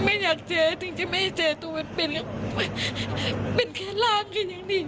แม่อยากเจอจริงจริงแม่จะเจอตัวเป็นเป็นแค่เป็นแค่ร่างอย่างนี้